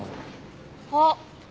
あっ。